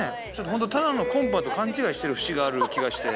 本当ただのコンパと勘違いしてる節がある気がして。